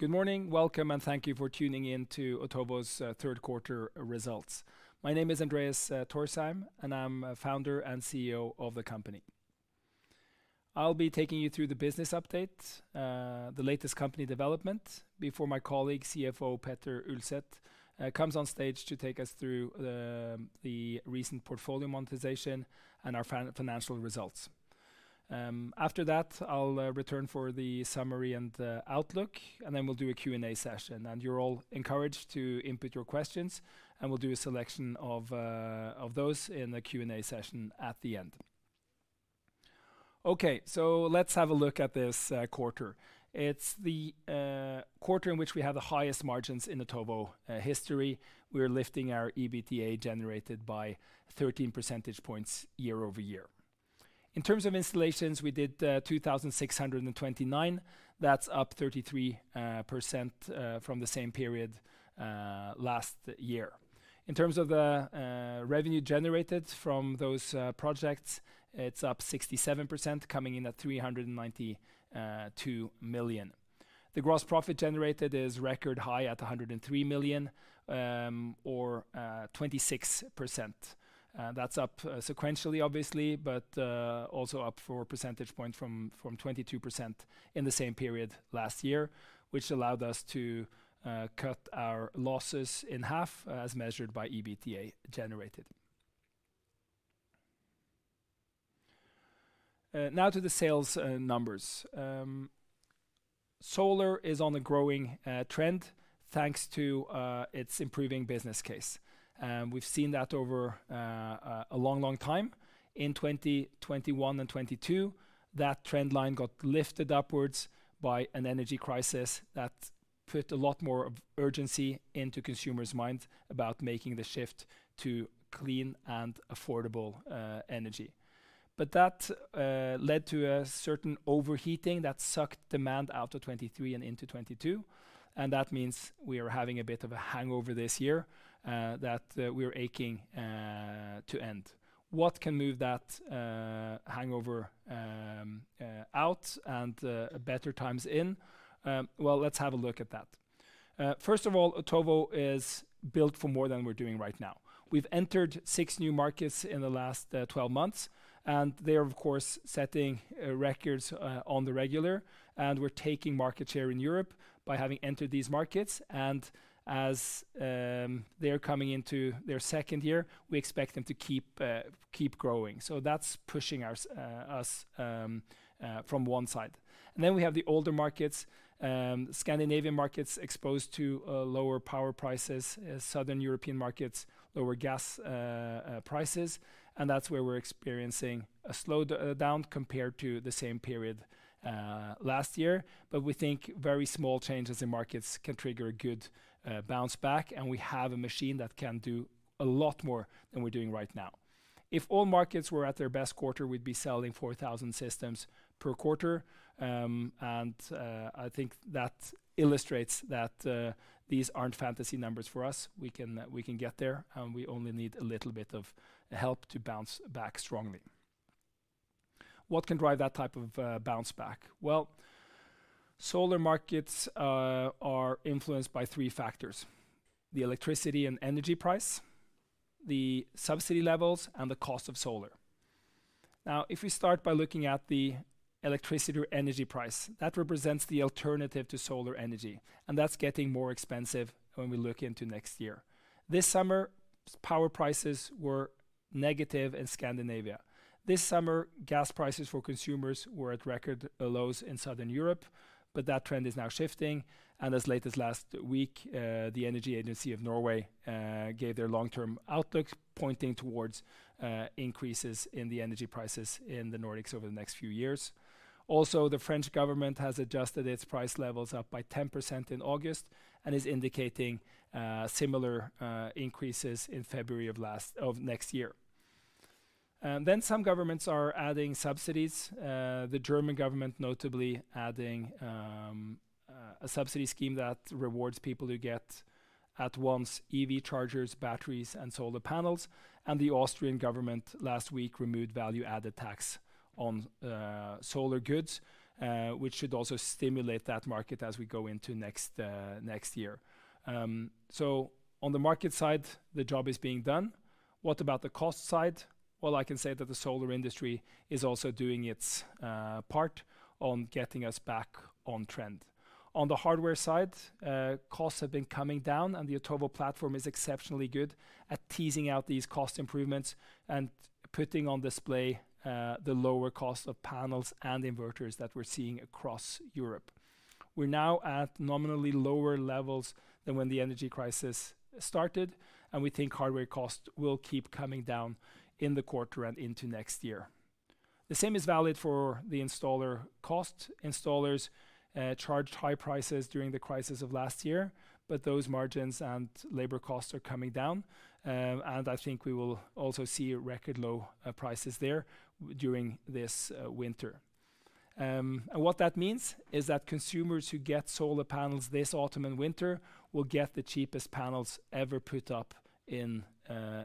Good morning. Welcome, and thank you for tuning in to Otovo's Third Quarter Results. My name is Andreas Thorsheim, and I'm Founder and CEO of the company. I'll be taking you through the business update, the latest company development, before my colleague, CFO Petter Ulset, comes on stage to take us through the recent portfolio monetization and our financial results. After that, I'll return for the summary and outlook, and then we'll do a Q&A session, and you're all encouraged to input your questions, and we'll do a selection of those in the Q&A session at the end. Okay, so let's have a look at this quarter. It's the quarter in which we have the highest margins in Otovo history. We're lifting our EBITDA generated by 13 percentage points year-over-year. In terms of installations, we did 2,629. That's up 33%, from the same period last year. In terms of the revenue generated from those projects, it's up 67%, coming in at 392 million. The gross profit generated is record high at 103 million, or 26%. That's up sequentially, obviously, but also up four percentage point from 22% in the same period last year, which allowed us to cut our losses in half, as measured by EBITDA generated. Now to the sales numbers. Solar is on a growing trend, thanks to its improving business case, and we've seen that over a long, long time. In 2021 and 2022, that trend line got lifted upwards by an energy crisis that put a lot more of urgency into consumers' minds about making the shift to clean and affordable energy. But that led to a certain overheating that sucked demand out of 2023 and into 2022, and that means we are having a bit of a hangover this year that we're aching to end. What can move that hangover out and better times in? Well, let's have a look at that. First of all, Otovo is built for more than we're doing right now. We've entered six new markets in the last 12 months, and they are, of course, setting records on the regular, and we're taking market share in Europe by having entered these markets, and as they are coming into their second year, we expect them to keep growing. So that's pushing us from one side. And then we have the older markets, Scandinavian markets exposed to lower power prices, Southern European markets, lower gas prices, and that's where we're experiencing a slowdown compared to the same period last year. But we think very small changes in markets can trigger a good bounce back, and we have a machine that can do a lot more than we're doing right now. If all markets were at their best quarter, we'd be selling 4,000 systems per quarter, and I think that illustrates that these aren't fantasy numbers for us. We can, we can get there, and we only need a little bit of help to bounce back strongly. What can drive that type of bounce back? Well, solar markets are influenced by three factors: the electricity and energy price, the subsidy levels, and the cost of solar. Now, if we start by looking at the electricity or energy price, that represents the alternative to solar energy, and that's getting more expensive when we look into next year. This summer, power prices were negative in Scandinavia. This summer, gas prices for consumers were at record lows in Southern Europe, but that trend is now shifting, and as late as last week, the Energy Agency of Norway gave their long-term outlook, pointing towards increases in the energy prices in the Nordics over the next few years. Also, the French government has adjusted its price levels up by 10% in August and is indicating similar increases in February of last of next year. And then some governments are adding subsidies, the German government, notably adding a subsidy scheme that rewards people who get at once EV chargers, batteries, and solar panels. And the Austrian government last week removed value-added tax on solar goods, which should also stimulate that market as we go into next, next year. So on the market side, the job is being done. What about the cost side? Well, I can say that the solar industry is also doing its part on getting us back on trend. On the hardware side, costs have been coming down, and the Otovo platform is exceptionally good at teasing out these cost improvements and putting on display the lower cost of panels and inverters that we're seeing across Europe. We're now at nominally lower levels than when the energy crisis started, and we think hardware costs will keep coming down in the quarter and into next year. The same is valid for the installer cost. Installers charged high prices during the crisis of last year, but those margins and labor costs are coming down, and I think we will also see record low prices there during this winter. And what that means is that consumers who get solar panels this autumn and winter will get the cheapest panels ever put up in,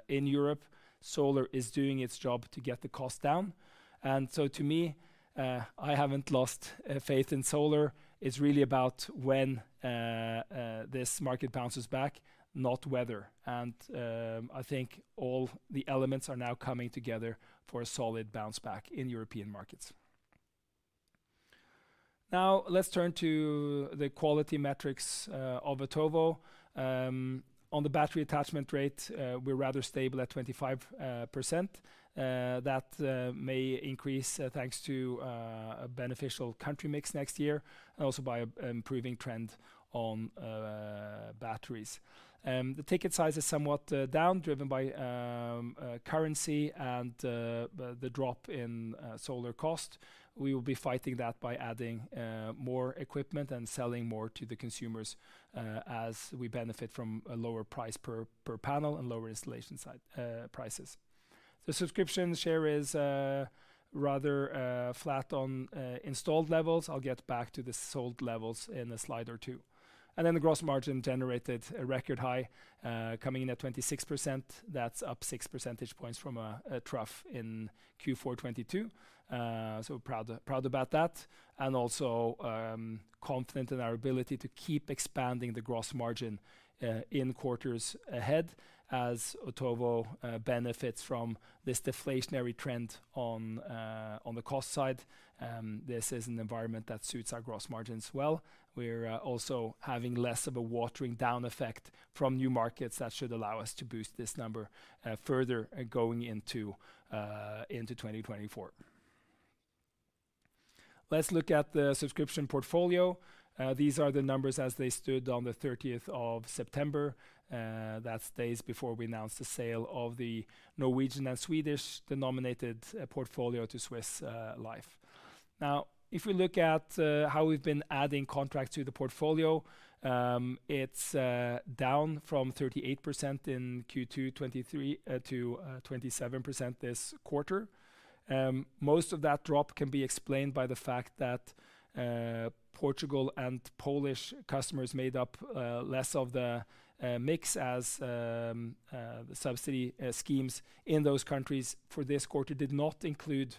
in Europe. Solar is doing its job to get the cost down, and so to me, I haven't lost faith in solar. It's really about when this market bounces back, not weather. And I think all the elements are now coming together for a solid bounce-back in European markets. Now, let's turn to the quality metrics of Otovo. On the battery attachment rate, we're rather stable at 25%. That may increase thanks to a beneficial country mix next year, and also by an improving trend on batteries. The ticket size is somewhat down, driven by currency and the drop in solar cost. We will be fighting that by adding more equipment and selling more to the consumers as we benefit from a lower price per panel and lower installation side prices. The subscription share is rather flat on installed levels. I'll get back to the sold levels in a slide or two. And then the gross margin generated a record high coming in at 26%. That's up six percentage points from a trough in Q4 2022. So proud about that, and also confident in our ability to keep expanding the gross margin in quarters ahead as Otovo benefits from this deflationary trend on the cost side. This is an environment that suits our gross margins well. We're also having less of a watering down effect from new markets that should allow us to boost this number further, going into 2024. Let's look at the subscription portfolio. These are the numbers as they stood on the thirtieth of September. That's days before we announced the sale of the Norwegian and Swedish-denominated portfolio to Swiss Life. Now, if we look at how we've been adding contracts to the portfolio, it's down from 38% in Q2 2023 to 27% this quarter. Most of that drop can be explained by the fact that Portugal and Polish customers made up less of the mix as the subsidy schemes in those countries for this quarter did not include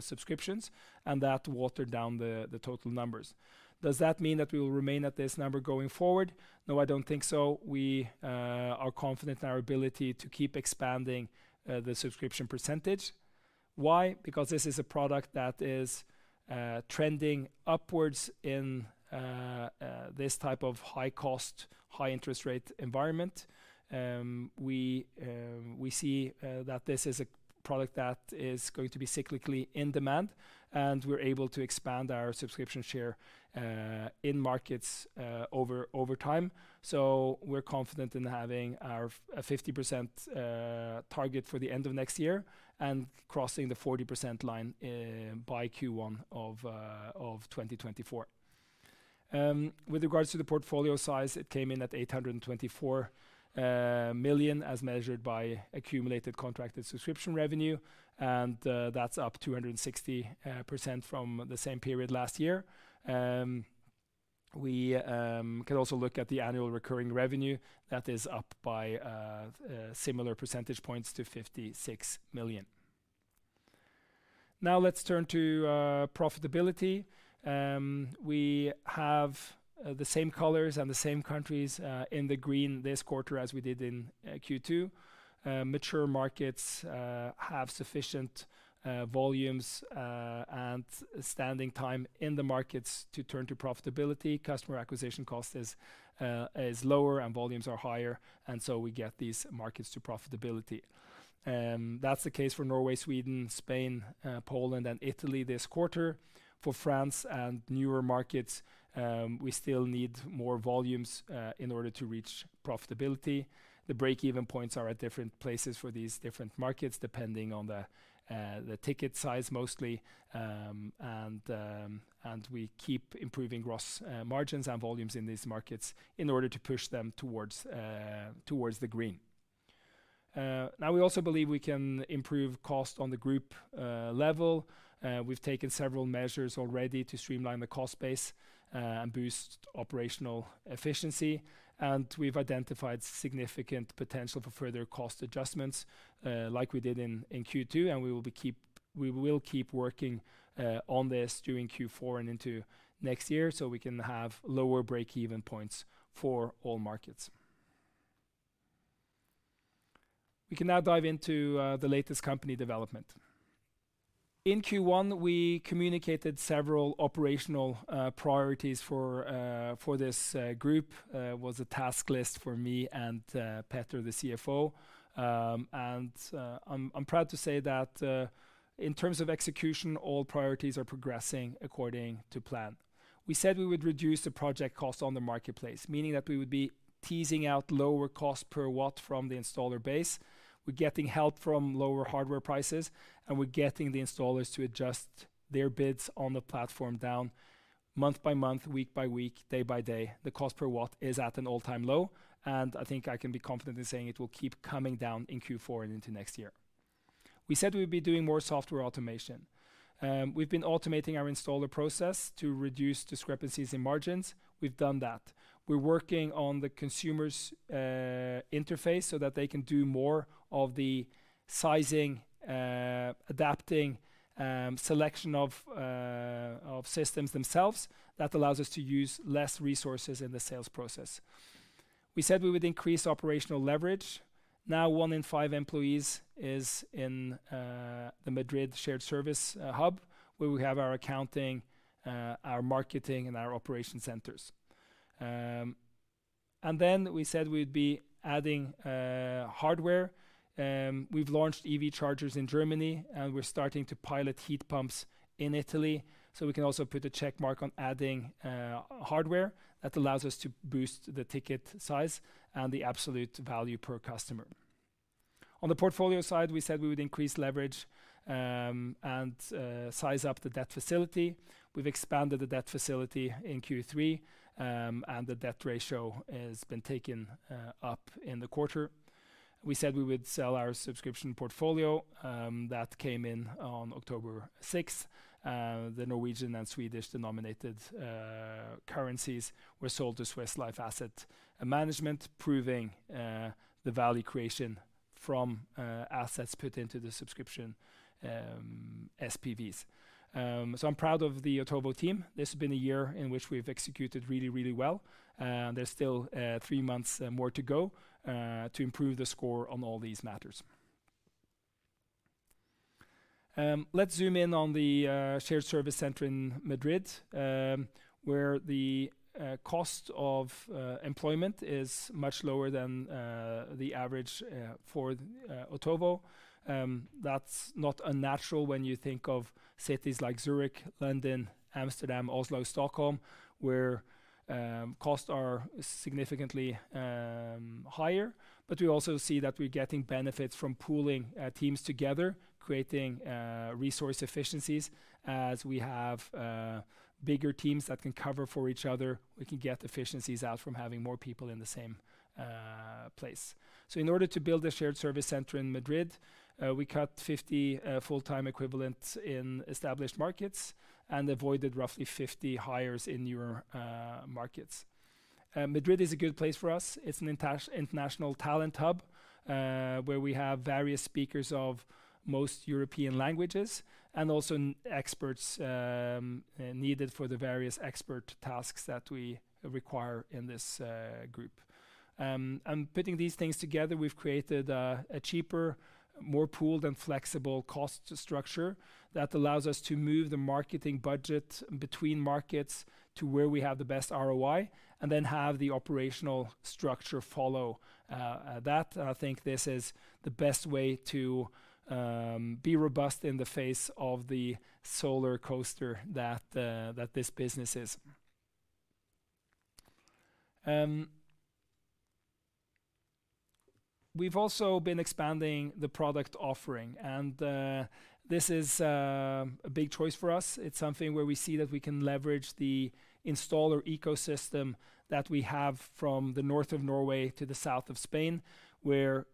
subscriptions, and that watered down the total numbers. Does that mean that we will remain at this number going forward? No, I don't think so. We are confident in our ability to keep expanding the subscription percentage. Why? Because this is a product that is trending upwards in this type of high-cost, high-interest rate environment. We see that this is a product that is going to be cyclically in demand, and we're able to expand our subscription share in markets over time. So we're confident in having our 50% target for the end of next year and crossing the 40% line by Q1 of 2024. With regards to the portfolio size, it came in at 824 million, as measured by accumulated contracted subscription revenue, and that's up 260% from the same period last year. We can also look at the annual recurring revenue that is up by similar percentage points to 56 million. Now, let's turn to profitability. We have the same colors and the same countries in the green this quarter as we did in Q2. Mature markets have sufficient volumes and standing time in the markets to turn to profitability. Customer acquisition cost is lower and volumes are higher, and so we get these markets to profitability. That's the case for Norway, Sweden, Spain, Poland, and Italy this quarter. For France and newer markets, we still need more volumes in order to reach profitability. The break-even points are at different places for these different markets, depending on the ticket size, mostly. We keep improving gross margins and volumes in these markets in order to push them towards the green. Now, we also believe we can improve cost on the group level. We've taken several measures already to streamline the cost base and boost operational efficiency. We've identified significant potential for further cost adjustments, like we did in Q2, and we will be keep. We will keep working on this during Q4 and into next year, so we can have lower break-even points for all markets. We can now dive into the latest company development. In Q1, we communicated several operational priorities for this group was a task list for me and Petter, the CFO. I'm proud to say that in terms of execution, all priorities are progressing according to plan. We said we would reduce the project cost on the marketplace, meaning that we would be teasing out lower cost per watt from the installer base. We're getting help from lower hardware prices, and we're getting the installers to adjust their bids on the platform down. Month by month, week by week, day by day, the cost per watt is at an all-time low, and I think I can be confident in saying it will keep coming down in Q4 and into next year. We said we'd be doing more software automation. We've been automating our installer process to reduce discrepancies in margins. We've done that. We're working on the consumer's interface so that they can do more of the sizing, adapting, selection of systems themselves. That allows us to use less resources in the sales process. We said we would increase operational leverage. Now, one in five employees is in the Madrid shared service hub, where we have our accounting, our marketing, and our operation centers. And then we said we'd be adding hardware. We've launched EV chargers in Germany, and we're starting to pilot heat pumps in Italy, so we can also put a check mark on adding hardware that allows us to boost the ticket size and the absolute value per customer. On the portfolio side, we said we would increase leverage and size up the debt facility. We've expanded the debt facility in Q3, and the debt ratio has been taken up in the quarter. We said we would sell our subscription portfolio, that came in on October 6th. The Norwegian and Swedish-denominated currencies were sold to Swiss Life Asset Managers, proving the value creation from assets put into the subscription SPVs. So I'm proud of the Otovo team. This has been a year in which we've executed really, really well, and there's still three months more to go to improve the score on all these matters. Let's zoom in on the shared service center in Madrid, where the cost of employment is much lower than the average for Otovo. That's not unnatural when you think of cities like Zurich, London, Amsterdam, Oslo, Stockholm, where costs are significantly higher. But we also see that we're getting benefits from pooling teams together, creating resource efficiencies. As we have bigger teams that can cover for each other, we can get efficiencies out from having more people in the same place. So in order to build a shared service center in Madrid, we cut 50 full-time equivalents in established markets and avoided roughly 50 hires in newer markets. Madrid is a good place for us. It's an international talent hub, where we have various speakers of most European languages and also experts needed for the various expert tasks that we require in this group. And putting these things together, we've created a cheaper, more pooled, and flexible cost structure that allows us to move the marketing budget between markets to where we have the best ROI, and then have the operational structure follow that. I think this is the best way to be robust in the face of the solar coaster that this business is. We've also been expanding the product offering, and this is a big choice for us. It's something where we see that we can leverage the installer ecosystem that we have from the north of Norway to the south of Spain, where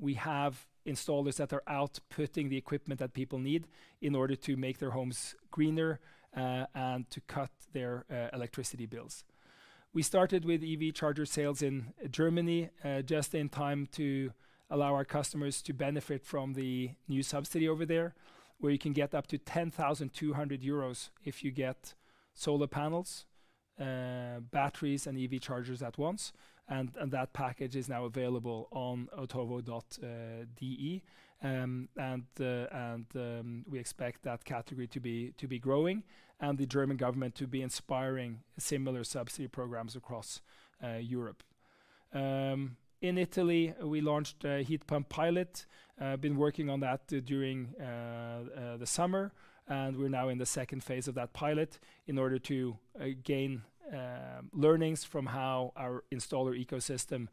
we have installers that are outputting the equipment that people need in order to make their homes greener, and to cut their electricity bills. We started with EV charger sales in Germany, just in time to allow our customers to benefit from the new subsidy over there, where you can get up to 10,200 euros if you get solar panels, batteries, and EV chargers at once, and that package is now available on Otovo.de. We expect that category to be growing and the German government to be inspiring similar subsidy programs across Europe. In Italy, we launched a heat pump pilot. Been working on that during the summer, and we're now in the second phase of that pilot in order to gain learnings from how our installer ecosystem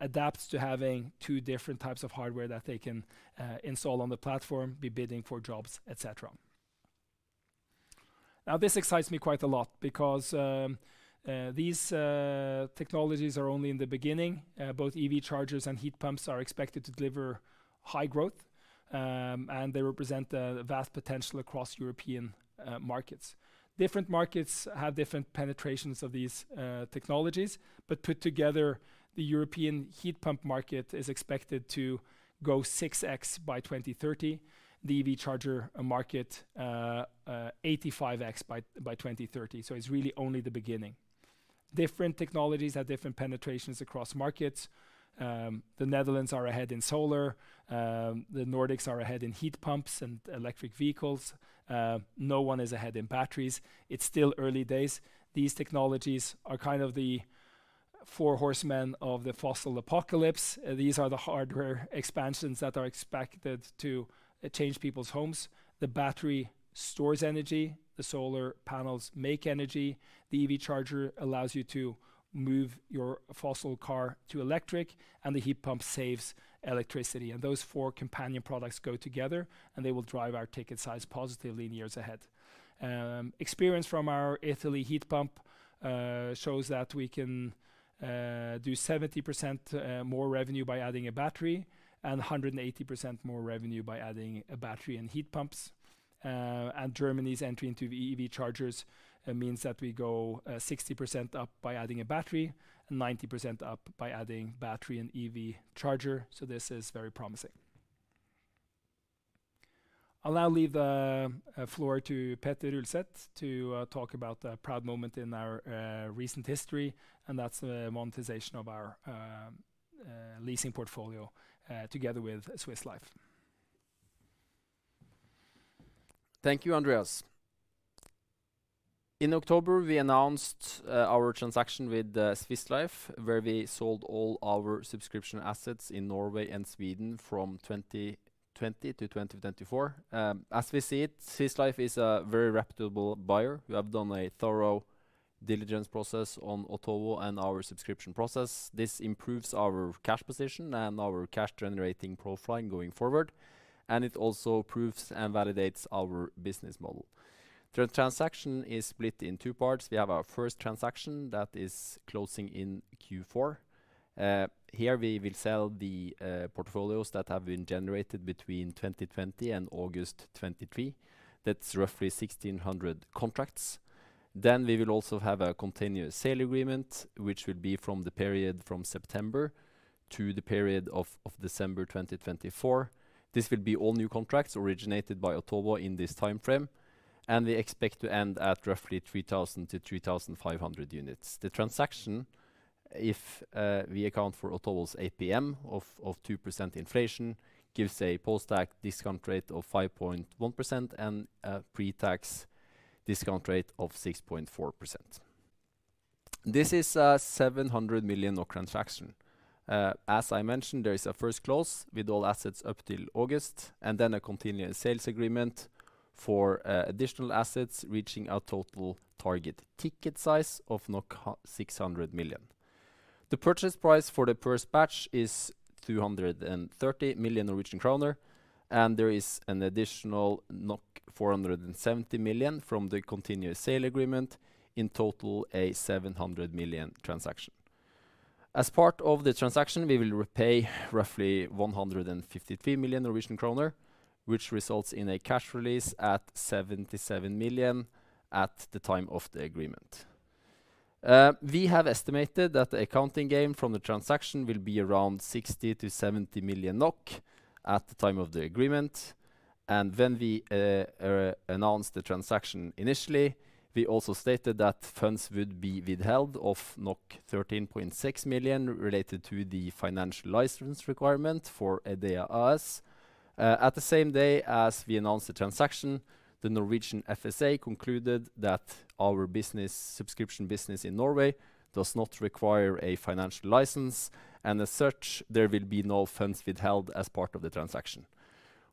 adapts to having two different types of hardware that they can install on the platform, be bidding for jobs, et cetera. Now, this excites me quite a lot because these technologies are only in the beginning. Both EV chargers and heat pumps are expected to deliver high growth, and they represent a vast potential across European markets. Different markets have different penetrations of these technologies, but put together, the European heat pump market is expected to go 6x by 2030. The EV charger market 85x by 2030. So it's really only the beginning. Different technologies have different penetrations across markets. The Netherlands are ahead in solar. The Nordics are ahead in heat pumps and electric vehicles. No one is ahead in batteries. It's still early days. These technologies are kind of four horsemen of the fossil apocalypse. These are the hardware expansions that are expected to change people's homes. The battery stores energy, the solar panels make energy, the EV charger allows you to move your fossil car to electric, and the heat pump saves electricity. Those four companion products go together, and they will drive our ticket size positively in years ahead. Experience from our Italy heat pump shows that we can do 70% more revenue by adding a battery and 180% more revenue by adding a battery and heat pumps. Germany's entry into the EV chargers means that we go 60% up by adding a battery and 90% up by adding battery and EV charger, so this is very promising. I'll now leave the floor to Petter Ulset to talk about the proud moment in our recent history, and that's the monetization of our leasing portfolio together with Swiss Life. Thank you, Andreas. In October, we announced our transaction with Swiss Life, where we sold all our subscription assets in Norway and Sweden from 2020 to 2024. As we see it, Swiss Life is a very reputable buyer. We have done a thorough diligence process on Otovo and our subscription process. This improves our cash position and our cash-generating profile going forward, and it also proves and validates our business model. The transaction is split in two parts. We have our first transaction that is closing in Q4. Here we will sell the portfolios that have been generated between 2020 and August 2023. That's roughly 1,600 contracts. Then we will also have a Continuous Sale Agreement, which will be from the period from September to the period of December 2024. This will be all new contracts originated by Otovo in this timeframe, and we expect to end at roughly 3,000-3,500 units. The transaction, if we account for Otovo's APM of 2% inflation, gives a post-tax discount rate of 5.1% and a pre-tax discount rate of 6.4%. This is a 700 million transaction. As I mentioned, there is a first close with all assets up till August, and then a continuous sales agreement for additional assets, reaching our total target ticket size of NOK 600 million. The purchase price for the first batch is 230 million Norwegian kroner, and there is an additional NOK 470 million from the continuous sale agreement, in total, a 700 million transaction. As part of the transaction, we will repay roughly 153 million Norwegian kroner, which results in a cash release at 77 million at the time of the agreement. We have estimated that the accounting gain from the transaction will be around 60 million-70 million NOK at the time of the agreement. When we announce the transaction initially, we also stated that funds would be withheld of 13.6 million, related to the financial license requirement for EDEA AS. At the same day as we announced the transaction, the Norwegian FSA concluded that our business, subscription business in Norway does not require a financial license, and as such, there will be no funds withheld as part of the transaction.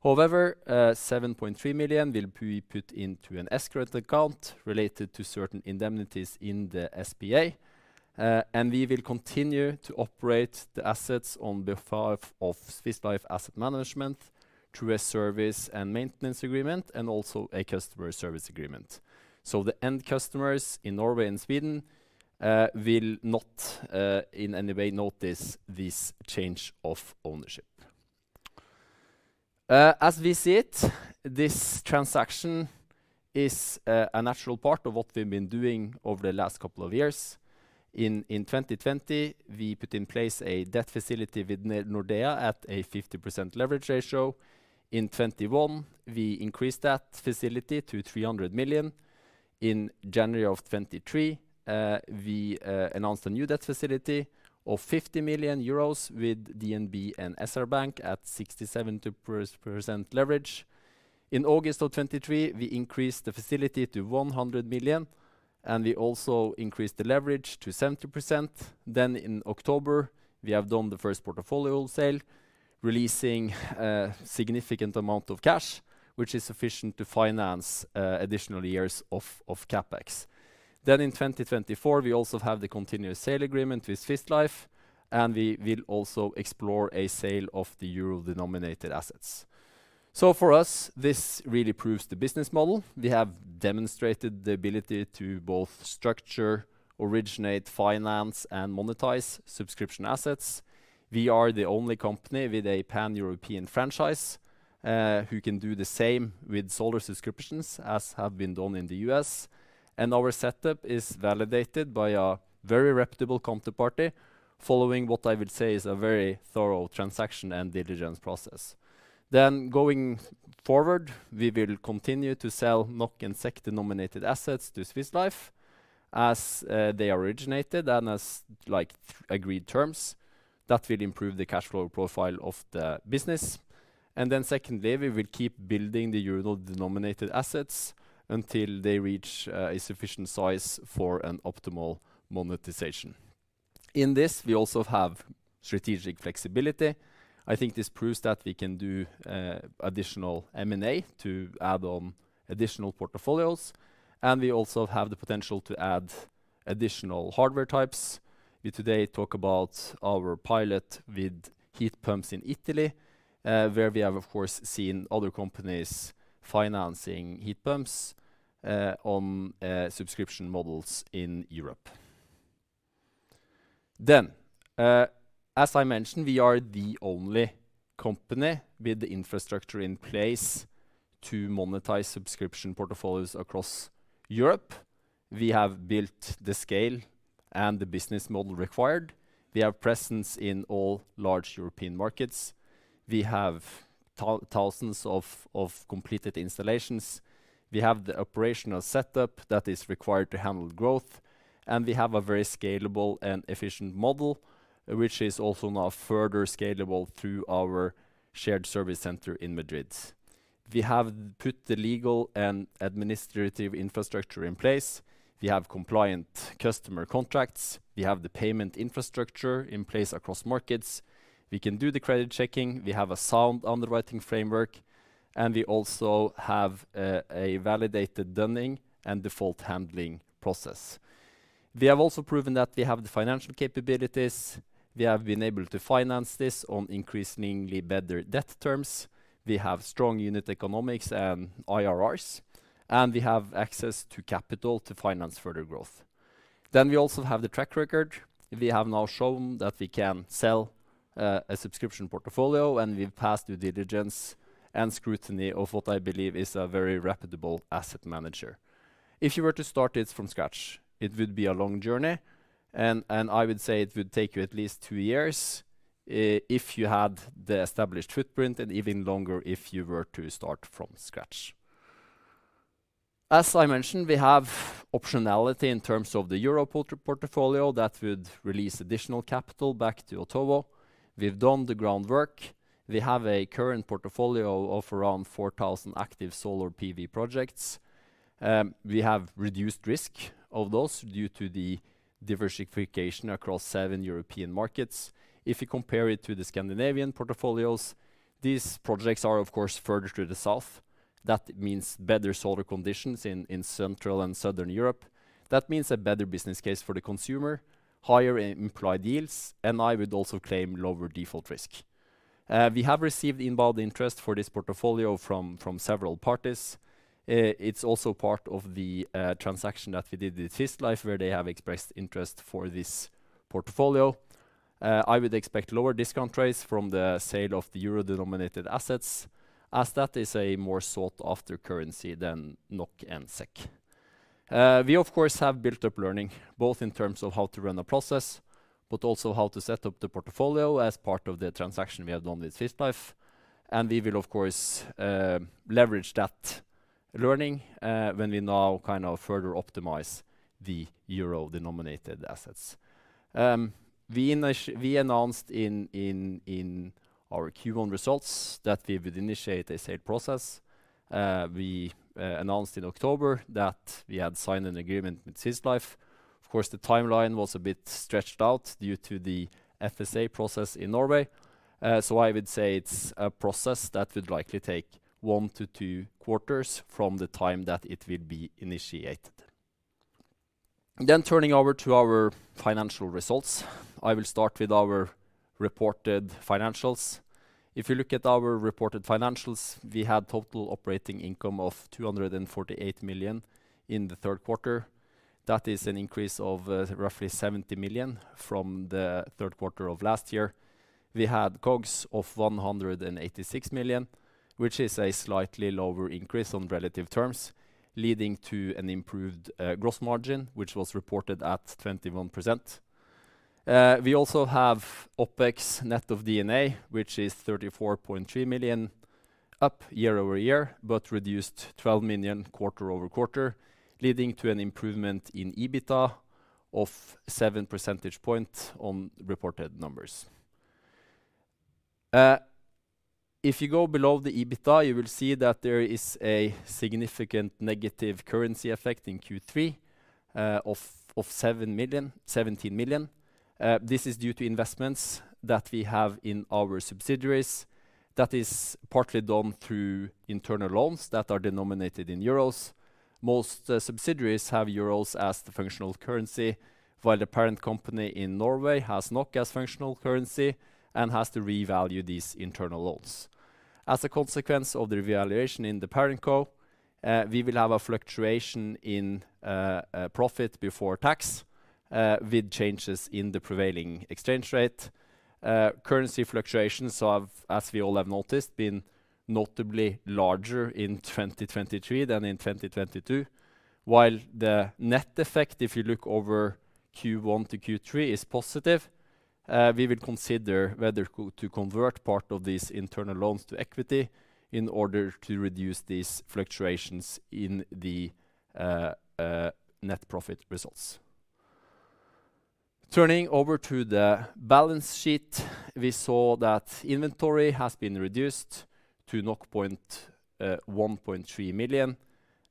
However, 7.3 million will be put into an escrow account related to certain indemnities in the SPA. We will continue to operate the assets on behalf of Swiss Life Asset Managers through a service and maintenance agreement and also a customer service agreement. So the end customers in Norway and Sweden will not in any way notice this change of ownership. As we see it, this transaction is a natural part of what we've been doing over the last couple of years. In 2020, we put in place a debt facility with Nordea at a 50% leverage ratio. In 2021, we increased that facility to 300 million. In January 2023, we announced a new debt facility of 50 million euros with DNB and SR Bank at 67% leverage. In August 2023, we increased the facility to 100 million, and we also increased the leverage to 70%. Then in October, we have done the first portfolio sale, releasing a significant amount of cash, which is sufficient to finance additional years of CapEx. Then in 2024, we also have the Continuous Sale Agreement with Swiss Life, and we will also explore a sale of the euro-denominated assets. So for us, this really proves the business model. We have demonstrated the ability to both structure, originate, finance, and monetize subscription assets. We are the only company with a Pan-European franchise who can do the same with solar subscriptions as have been done in the U.S. And our setup is validated by a very reputable counterparty, following what I would say is a very thorough transaction and diligence process. Then going forward, we will continue to sell NOK and SEK-denominated assets to Swiss Life as they originated, and as, like, agreed terms. That will improve the cash flow profile of the business. Then secondly, we will keep building the euro-denominated assets until they reach a sufficient size for an optimal monetization. In this, we also have strategic flexibility. I think this proves that we can do additional M&A to add on additional portfolios, and we also have the potential to add additional hardware types. We today talk about our pilot with heat pumps in Italy, where we have, of course, seen other companies financing heat pumps on subscription models in Europe. Then, as I mentioned, we are the only company with the infrastructure in place to monetize subscription portfolios across Europe. We have built the scale and the business model required. We have presence in all large European markets. We have thousands of completed installations. We have the operational setup that is required to handle growth, and we have a very scalable and efficient model, which is also now further scalable through our shared service center in Madrid. We have put the legal and administrative infrastructure in place. We have compliant customer contracts. We have the payment infrastructure in place across markets. We can do the credit checking. We have a sound underwriting framework, and we also have a validated dunning and default handling process. We have also proven that we have the financial capabilities. We have been able to finance this on increasingly better debt terms. We have strong unit economics and IRRs, and we have access to capital to finance further growth. Then we also have the track record. We have now shown that we can sell a subscription portfolio, and we've passed due diligence and scrutiny of what I believe is a very reputable asset manager. If you were to start it from scratch, it would be a long journey, and I would say it would take you at least two years if you had the established footprint, and even longer if you were to start from scratch. As I mentioned, we have optionality in terms of the European portfolio that would release additional capital back to Otovo. We've done the groundwork. We have a current portfolio of around 4,000 active solar PV projects. We have reduced risk of those due to the diversification across seven European markets. If you compare it to the Scandinavian portfolios, these projects are, of course, further to the south. That means better solar conditions in, in central and southern Europe. That means a better business case for the consumer, higher implied yields, and I would also claim lower default risk. We have received inbound interest for this portfolio from, from several parties. It's also part of the transaction that we did with Swiss Life, where they have expressed interest for this portfolio. I would expect lower discount rates from the sale of the euro-denominated assets, as that is a more sought-after currency than NOK and SEK. We, of course, have built up learning, both in terms of how to run a process, but also how to set up the portfolio as part of the transaction we have done with Swiss Life, and we will, of course, leverage that learning, when we now kind of further optimize the euro-denominated assets. We announced in our Q1 results that we would initiate a sale process. We announced in October that we had signed an agreement with Swiss Life. Of course, the timeline was a bit stretched out due to the FSA process in Norway. So I would say it's a process that would likely take one to two quarters from the time that it will be initiated. Turning over to our financial results. I will start with our reported financials. If you look at our reported financials, we had total operating income of 248 million in the third quarter. That is an increase of roughly 70 million from the third quarter of last year. We had COGS of 186 million, which is a slightly lower increase on relative terms, leading to an improved gross margin, which was reported at 21%. We also have OpEx net of D&A, which is 34.3 million, up year-over-year, but reduced 12 million quarter-over-quarter, leading to an improvement in EBITDA of seven percentage points on reported numbers. If you go below the EBITDA, you will see that there is a significant negative currency effect in Q3 of 17 million. This is due to investments that we have in our subsidiaries. That is partly done through internal loans that are denominated in euros. Most subsidiaries have euros as the functional currency, while the parent company in Norway has NOK as functional currency and has to revalue these internal loans. As a consequence of the revaluation in the parent co, we will have a fluctuation in profit before tax with changes in the prevailing exchange rate. Currency fluctuations have, as we all have noticed, been notably larger in 2023 than in 2022. While the net effect, if you look over Q1 to Q3, is positive, we will consider whether to convert part of these internal loans to equity in order to reduce these fluctuations in the net profit results. Turning over to the balance sheet, we saw that inventory has been reduced to 1.3 million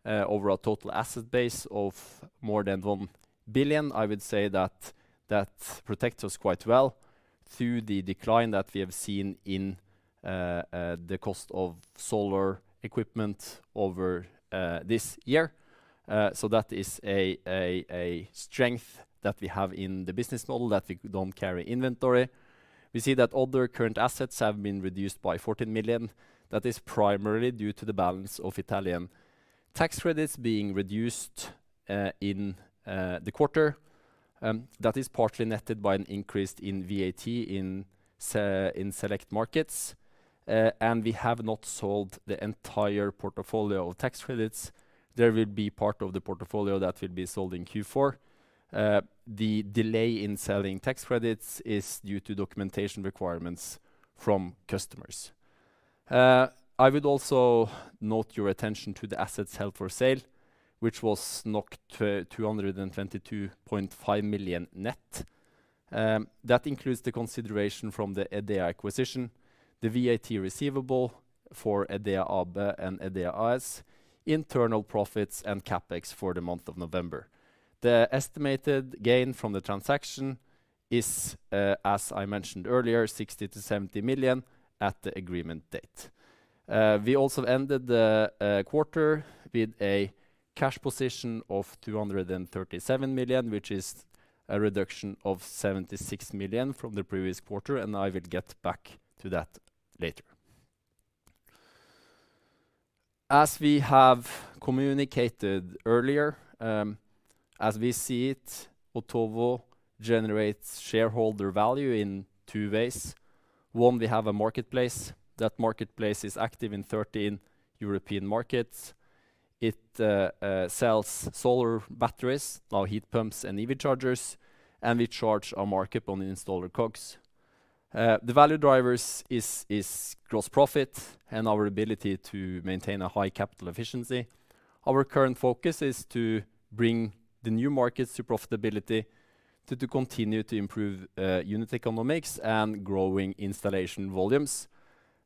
over our total asset base of more than 1 billion. I would say that that protects us quite well through the decline that we have seen in the cost of solar equipment over this year. So that is a strength that we have in the business model that we don't carry inventory. We see that other current assets have been reduced by 14 million. That is primarily due to the balance of Italian tax credits being reduced in the quarter. That is partly netted by an increase in VAT in select markets. And we have not sold the entire portfolio of tax credits. There will be part of the portfolio that will be sold in Q4. The delay in selling tax credits is due to documentation requirements from customers. I would also note your attention to the assets held for sale, which was 222.5 million net. That includes the consideration from the EDEA acquisition, the VAT receivable for EDEA AB and EDEA AS, internal profits and CapEx for the month of November. The estimated gain from the transaction is, as I mentioned earlier, 60 million-70 million at the agreement date. We also ended the quarter with a cash position of 237 million, which is a reduction of 76 million from the previous quarter, and I will get back to that later. As we have communicated earlier, as we see it, Otovo generates shareholder value in two ways. One, we have a marketplace. That marketplace is active in 13 European markets. It sells solar batteries, now heat pumps and EV chargers, and we charge a markup on the installer COGS. The value drivers is gross profit and our ability to maintain a high capital efficiency. Our current focus is to bring the new markets to profitability, to continue to improve unit economics, and growing installation volumes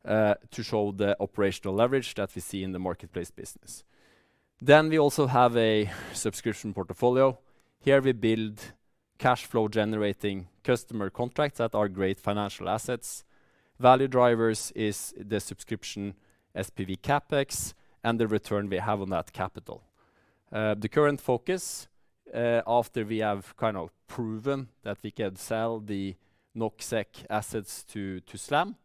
to show the operational leverage that we see in the marketplace business. Then we also have a subscription portfolio. Here we build cash flow generating customer contracts that are great financial assets. Value drivers is the subscription SPV CapEx, and the return we have on that capital. The current focus after we have kind of proven that we can sell the NOK assets to SLAM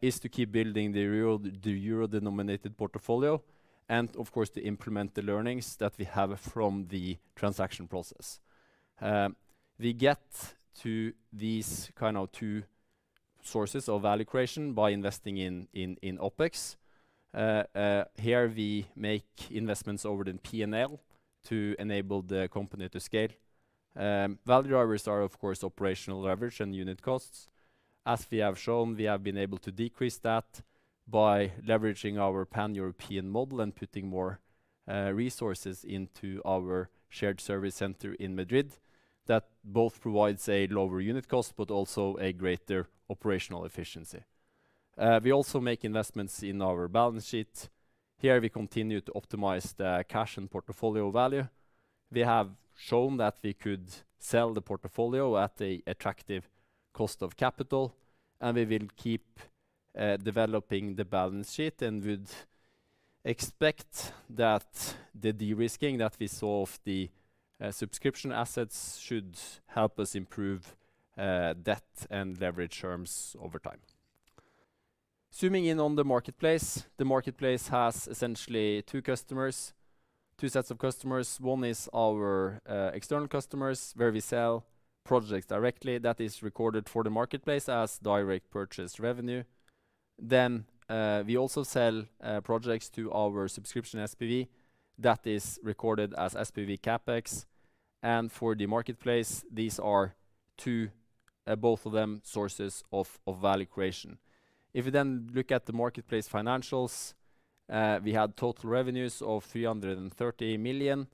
is to keep building the euro-denominated portfolio, and of course, to implement the learnings that we have from the transaction process. We get to these kind of two sources of value creation by investing in OpEx. Here, we make investments over the P&L to enable the company to scale. Value drivers are, of course, operational leverage and unit costs. As we have shown, we have been able to decrease that by leveraging our Pan-European model and putting more resources into our shared service center in Madrid. That both provides a lower unit cost, but also a greater operational efficiency. We also make investments in our balance sheet. Here, we continue to optimize the cash and portfolio value. We have shown that we could sell the portfolio at an attractive cost of capital, and we will keep developing the balance sheet, and we'd expect that the de-risking that we saw of the subscription assets should help us improve debt and leverage terms over time. Zooming in on the marketplace, the marketplace has essentially two customers, two sets of customers. One is our external customers, where we sell projects directly. That is recorded for the marketplace as direct purchase revenue. Then we also sell projects to our subscription SPV that is recorded as SPV CapEx. And for the marketplace, these are two, both of them, sources of value creation. If you then look at the marketplace financials, we had total revenues of 330 million,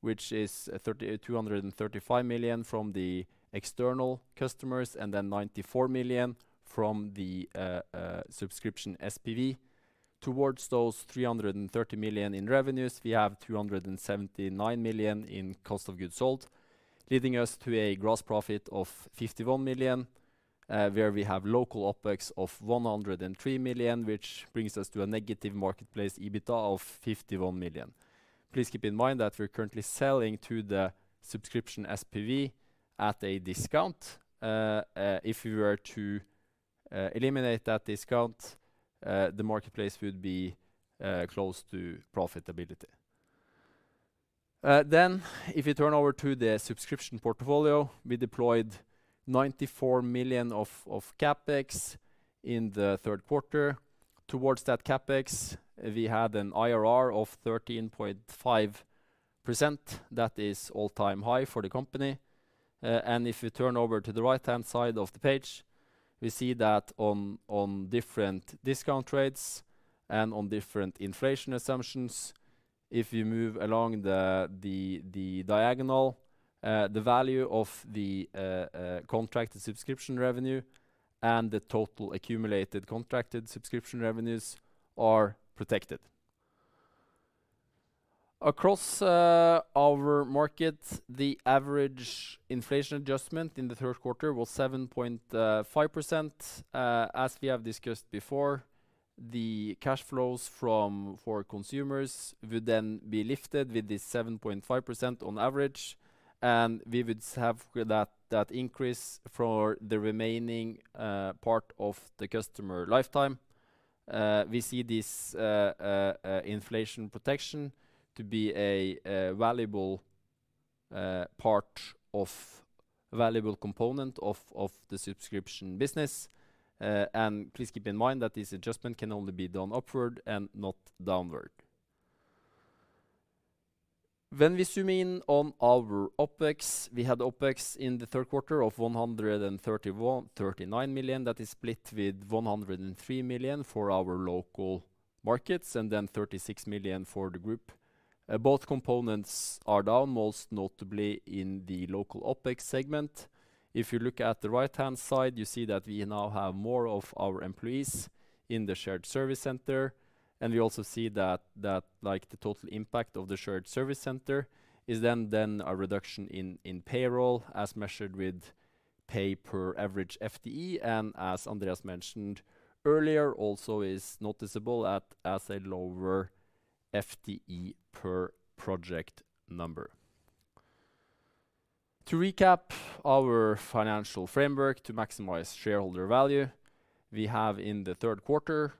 which is 235 million from the external customers, and then 94 million from the subscription SPV. Towards those 330 million in revenues, we have 279 million in cost of goods sold, leading us to a gross profit of 51 million, where we have local OpEx of 103 million, which brings us to a negative marketplace EBITDA of 51 million. Please keep in mind that we're currently selling to the subscription SPV at a discount. If we were to eliminate that discount, the marketplace would be close to profitability. Then if you turn over to the subscription portfolio, we deployed 94 million of CapEx in the third quarter. Towards that CapEx, we had an IRR of 13.5%. That is all-time high for the company. And if you turn over to the right-hand side of the page, we see that on different discount rates and on different inflation assumptions, if you move along the diagonal, the value of the contracted subscription revenue and the total accumulated contracted subscription revenues are protected. Across our market, the average inflation adjustment in the third quarter was 7.5%. As we have discussed before, the cash flows from for consumers would then be lifted with this 7.5% on average, and we would have that increase for the remaining part of the customer lifetime. We see this inflation protection to be a valuable component of the subscription business. Please keep in mind that this adjustment can only be done upward and not downward. When we zoom in on our OpEx, we had OpEx in the third quarter of 139 million. That is split with 103 million for our local markets, and then 36 million for the group. Both components are down, most notably in the local OpEx segment. If you look at the right-hand side, you see that we now have more of our employees in the shared service center. And we also see that, like, the total impact of the shared service center is then a reduction in payroll, as measured with pay per average FTE, and as Andreas mentioned earlier, also is noticeable as a lower FTE per project number. To recap our financial framework to maximize shareholder value, we have, in the third quarter,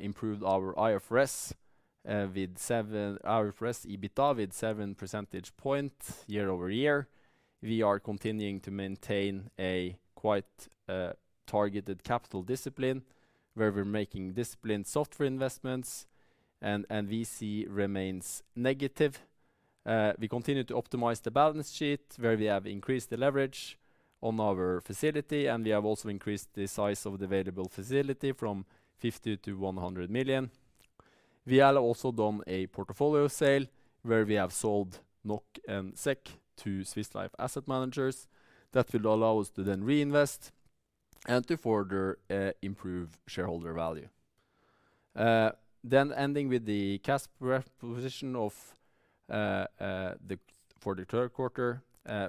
improved our IFRS EBITDA with seven percentage points year-over-year. We are continuing to maintain a quite targeted capital discipline, where we're making disciplined software investments and VC remains negative. We continue to optimize the balance sheet, where we have increased the leverage on our facility, and we have also increased the size of the available facility from 50 million-100 million. We have also done a portfolio sale, where we have sold NOK and SEK to Swiss Life Asset Managers. That will allow us to then reinvest and to further, improve shareholder value. Then ending with the cash position of for the third quarter.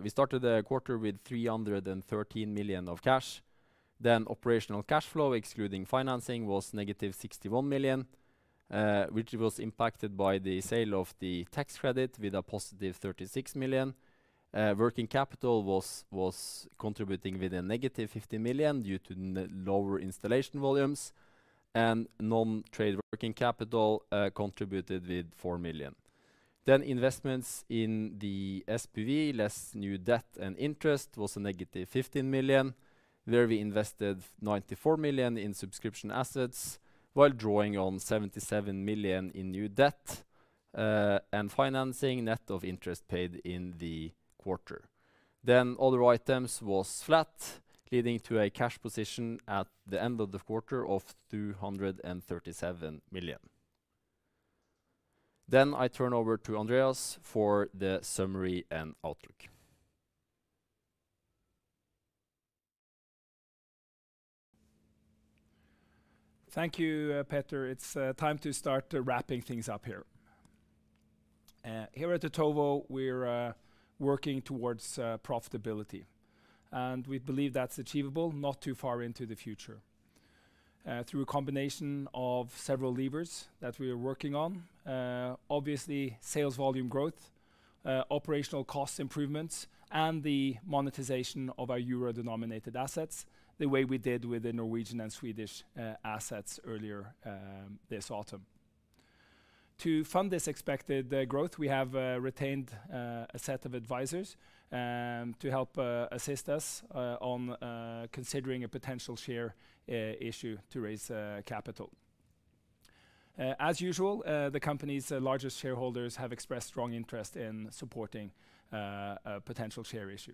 We started the quarter with 313 million of cash. Then operational cash flow, excluding financing, was negative 61 million, which was impacted by the sale of the tax credit with a positive 36 million. Working capital was contributing with a negative 50 million due to lower installation volumes, and non-trade working capital contributed with 4 million. Then investments in the SPV, less new debt and interest, was a negative 15 million, where we invested 94 million in subscription assets while drawing on 77 million in new debt, and financing net of interest paid in the quarter. Then other items was flat, leading to a cash position at the end of the quarter of 237 million. Then I turn over to Andreas for the summary and outlook. Thank you, Petter. It's time to start wrapping things up here. Here at Otovo, we're working towards profitability, and we believe that's achievable not too far into the future. Through a combination of several levers that we are working on. Obviously, sales volume growth, operational cost improvements, and the monetization of our euro-denominated assets, the way we did with the Norwegian and Swedish assets earlier, this autumn. To fund this expected growth, we have retained a set of advisors to help assist us on considering a potential share issue to raise capital. As usual, the company's largest shareholders have expressed strong interest in supporting a potential share issue.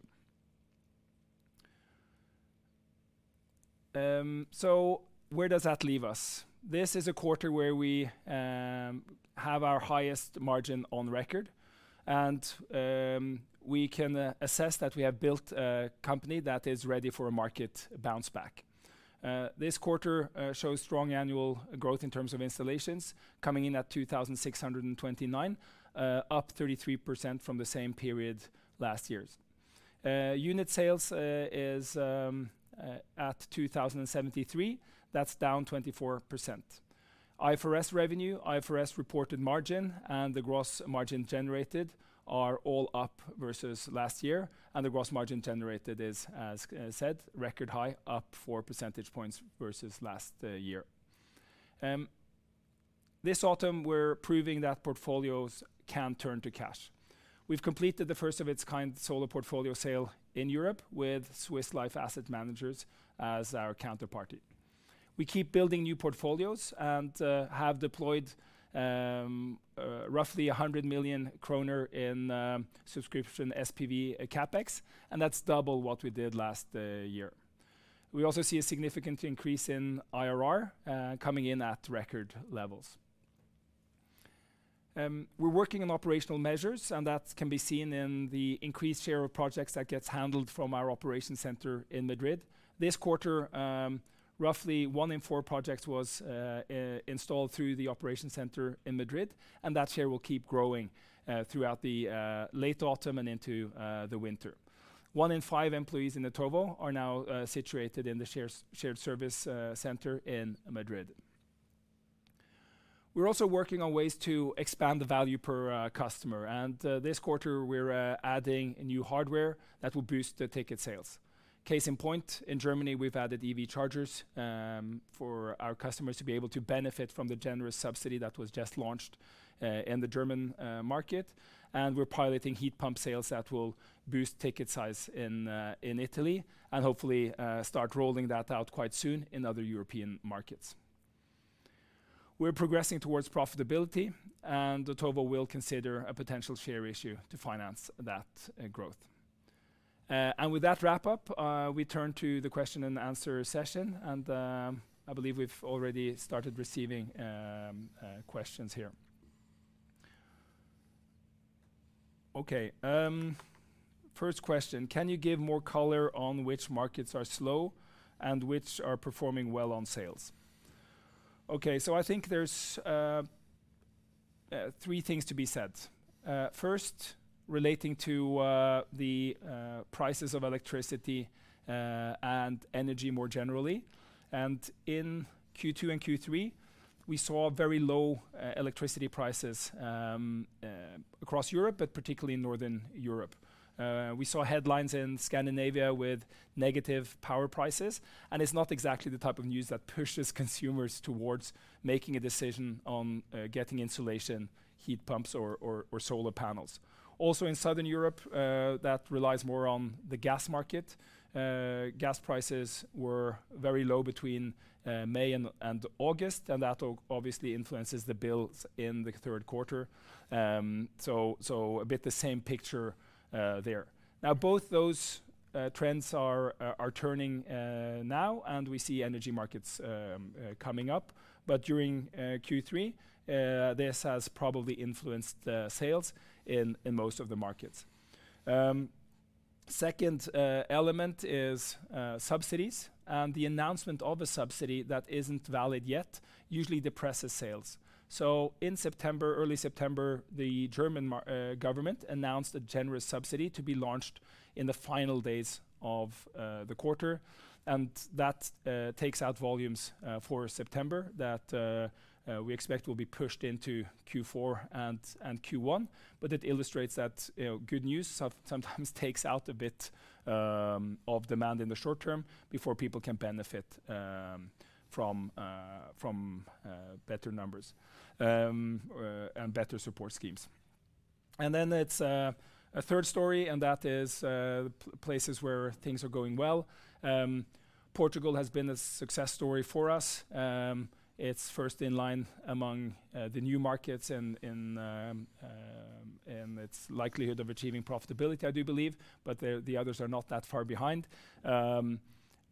So where does that leave us? This is a quarter where we have our highest margin on record, and we can assess that we have built a company that is ready for a market bounce back. This quarter shows strong annual growth in terms of installations, coming in at 2,629, up 33% from the same period last year. Unit sales is at 2,073. That's down 24%. IFRS revenue, IFRS reported margin, and the gross margin generated are all up versus last year, and the gross margin generated is, as said, record high, up four percentage points versus last year. This autumn, we're proving that portfolios can turn to cash. We've completed the first of its kind solar portfolio sale in Europe with Swiss Life Asset Managers as our counterparty. We keep building new portfolios and have deployed roughly 100 million kroner in subscription SPV CapEx, and that's double what we did last year. We also see a significant increase in IRR coming in at record levels. We're working on operational measures, and that can be seen in the increased share of projects that gets handled from our operation center in Madrid. This quarter, roughly one in four projects was installed through the operation center in Madrid, and that share will keep growing throughout the late autumn and into the winter. One in five employees in Otovo are now situated in the shared service center in Madrid. We're also working on ways to expand the value per customer, and this quarter, we're adding new hardware that will boost the ticket sales. Case in point, in Germany, we've added EV chargers for our customers to be able to benefit from the generous subsidy that was just launched in the German market. And we're piloting heat pump sales that will boost ticket size in Italy, and hopefully start rolling that out quite soon in other European markets. We're progressing towards profitability, and Otovo will consider a potential share issue to finance that growth. And with that wrap-up, we turn to the Q&A session, and I believe we've already started receiving questions here. Okay, first question: Can you give more color on which markets are slow and which are performing well on sales? Okay, so I think there's three things to be said. First, relating to the prices of electricity and energy more generally, and in Q2 and Q3, we saw very low electricity prices across Europe, but particularly in Northern Europe. We saw headlines in Scandinavia with negative power prices, and it's not exactly the type of news that pushes consumers towards making a decision on getting insulation, heat pumps or solar panels. Also in Southern Europe, that relies more on the gas market. Gas prices were very low between May and August, and that obviously influences the bills in the third quarter. So, a bit the same picture there. Now, both those trends are turning now, and we see energy markets coming up. But during Q3, this has probably influenced the sales in most of the markets. Second, element is subsidies, and the announcement of a subsidy that isn't valid yet, usually depresses sales. So in September, early September, the German government announced a generous subsidy to be launched in the final days of the quarter, and that takes out volumes for September that we expect will be pushed into Q4 and Q1. But it illustrates that, you know, good news sometimes takes out a bit of demand in the short term before people can benefit from better numbers and better support schemes. And then it's a third story, and that is places where things are going well. Portugal has been a success story for us. It's first in line among the new markets in its likelihood of achieving profitability, I do believe, but the others are not that far behind.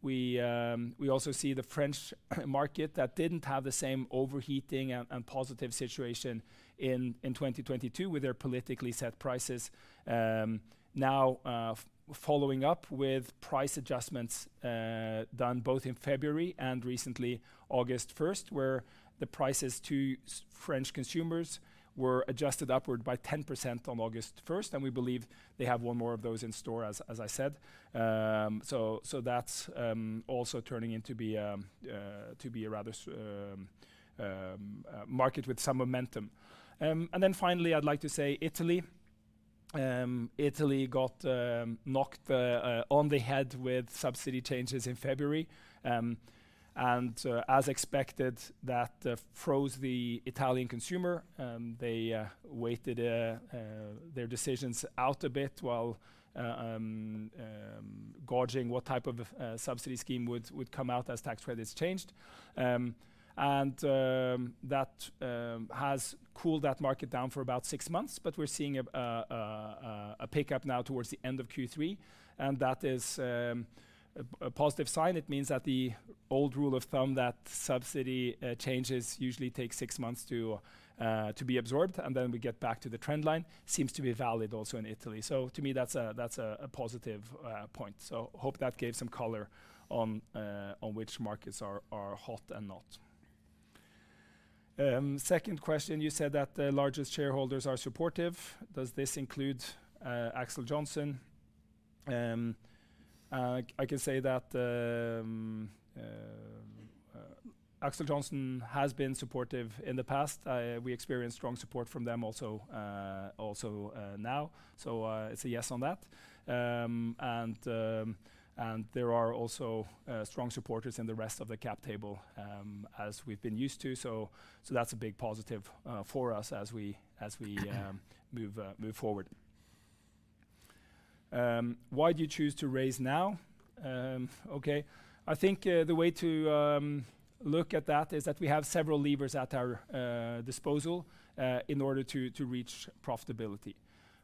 We also see the French market that didn't have the same overheating and positive situation in 2022, with their politically set prices, now following up with price adjustments done both in February and recently, August 1st, where the prices to French consumers were adjusted upward by 10% on August 1st, and we believe they have one more of those in store, as I said. So that's also turning into be a rather market with some momentum. And then finally, I'd like to say Italy. Italy got knocked on the head with subsidy changes in February, and as expected, that froze the Italian consumer. They waited their decisions out a bit while gauging what type of a subsidy scheme would come out as tax credits changed. And that has cooled that market down for about six months, but we're seeing a pickup now towards the end of Q3, and that is a positive sign. It means that the old rule of thumb, that subsidy changes usually take six months to be absorbed, and then we get back to the trend line, seems to be valid also in Italy. So to me, that's a positive point. So hope that gave some color on which markets are hot and not. Second question: You said that the largest shareholders are supportive. Does this include Axel Johnson? I can say that Axel Johnson has been supportive in the past. We experienced strong support from them also now. So it's a yes on that. And there are also strong supporters in the rest of the cap table, as we've been used to. So that's a big positive for us as we move forward. Why do you choose to raise now? Okay. I think the way to look at that is that we have several levers at our disposal in order to reach profitability.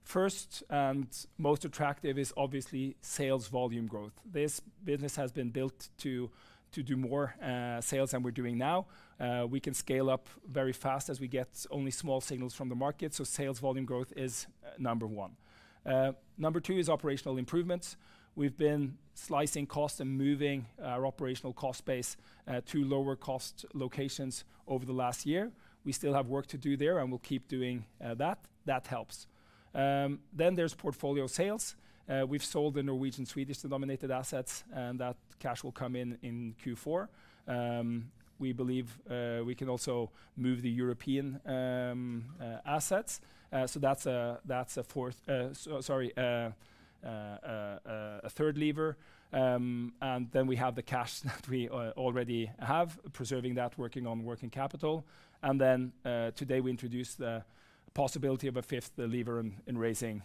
First, and most attractive, is obviously sales volume growth. This business has been built to do more sales than we're doing now. We can scale up very fast as we get only small signals from the market, so sales volume growth is number one. Number two is operational improvements. We've been slicing costs and moving our operational cost base to lower cost locations over the last year. We still have work to do there, and we'll keep doing that. That helps. Then there's portfolio sales. We've sold the Norwegian, Swedish-denominated assets, and that cash will come in in Q4. We believe we can also move the European assets. So that's a fourth, sorry, a third lever. And then we have the cash that we already have, preserving that, working on working capital. And then today, we introduced the possibility of a fifth lever in raising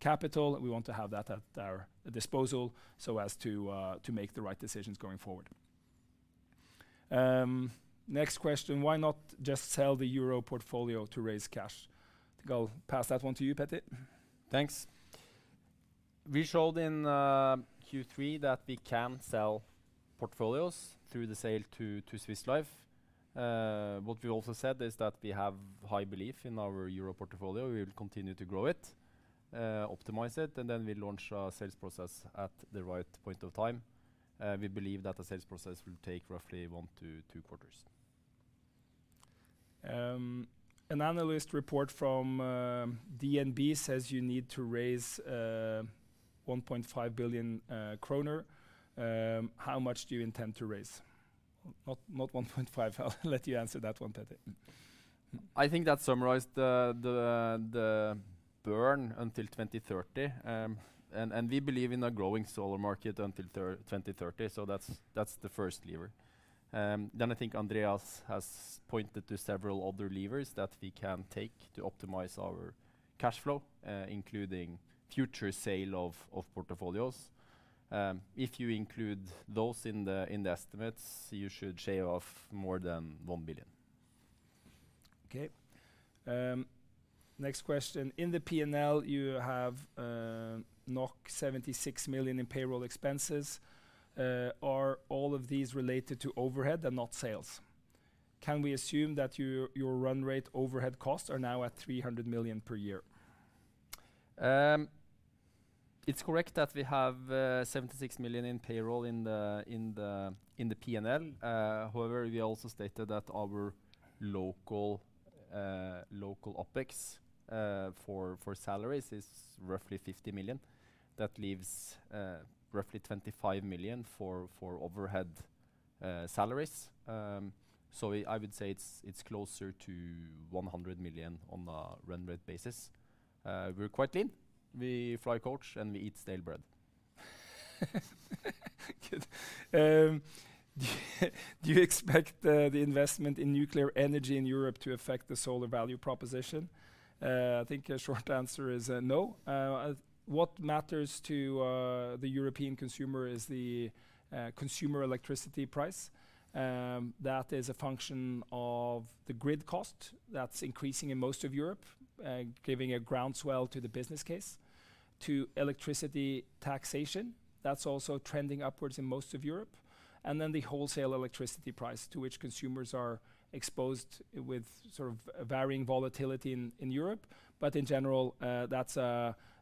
capital. We want to have that at our disposal so as to to make the right decisions going forward. Next question: Why not just sell the euro portfolio to raise cash? I think I'll pass that one to you, Petter. Thanks. We showed in Q3 that we can sell portfolios through the sale to Swiss Life. What we also said is that we have high belief in our Euro portfolio. We will continue to grow it, optimize it, and then we'll launch a sales process at the right point of time. We believe that the sales process will take roughly one to two quarters. An analyst report from DNB says you need to raise 1.5 billion kroner. How much do you intend to raise? Not, not 1.5. I'll let you answer that one, Petter. I think that summarized the burn until 2030, and we believe in a growing solar market until 2030, so that's the first lever. Then I think Andreas has pointed to several other levers that we can take to optimize our cash flow, including future sale of portfolios. If you include those in the estimates, you should shave off more than 1 billion. Okay. Next question: In the P&L, you have 76 million in payroll expenses. Are all of these related to overhead and not sales? Can we assume that your, your run rate overhead costs are now at 300 million per year? It's correct that we have 76 million in payroll in the P&L. However, we also stated that our local OpEx for salaries is roughly 50 million. That leaves roughly 25 million for overhead salaries. So I would say it's closer to 100 million on a run rate basis. We're quite lean. We fly coach, and we eat stale bread. Good. Do you expect the investment in nuclear energy in Europe to affect the solar value proposition? I think a short answer is no. What matters to the European consumer is the consumer electricity price. That is a function of the grid cost that's increasing in most of Europe, giving a groundswell to the business case, to electricity taxation, that's also trending upwards in most of Europe, and then the wholesale electricity price, to which consumers are exposed with sort of varying volatility in Europe. But in general, that's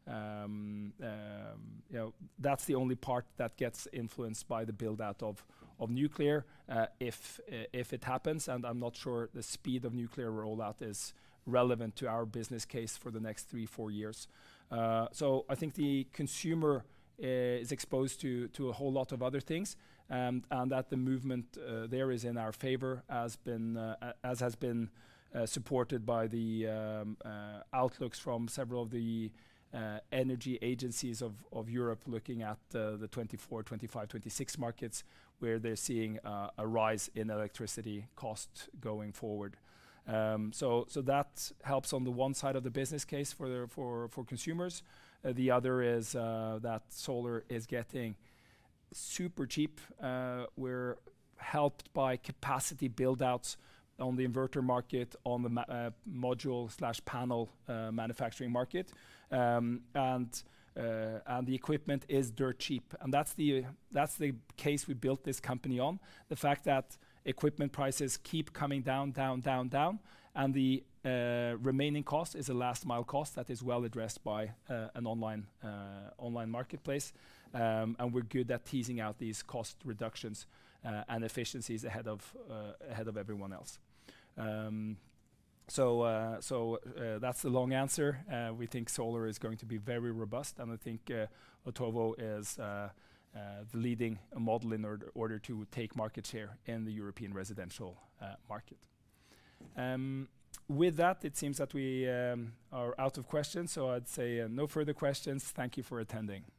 a, you know, that's the only part that gets influenced by the build-out of nuclear, if it happens, and I'm not sure the speed of nuclear rollout is relevant to our business case for the next three, four years. So I think the consumer is exposed to a whole lot of other things, and that the movement there is in our favor, as has been supported by the outlooks from several of the energy agencies of Europe looking at the 2024, 2025, 2026 markets, where they're seeing a rise in electricity costs going forward. So that helps on the one side of the business case for the consumers. The other is that solar is getting super cheap. We're helped by capacity build-outs on the inverter market, on the module/panel manufacturing market. And the equipment is dirt cheap, and that's the case we built this company on, the fact that equipment prices keep coming down, down, down, down, and the remaining cost is a last-mile cost that is well addressed by an online marketplace. And we're good at teasing out these cost reductions and efficiencies ahead of everyone else. So that's the long answer. We think solar is going to be very robust, and I think Otovo is the leading model in order to take market share in the European residential market. With that, it seems that we are out of questions, so I'd say no further questions. Thank you for attending.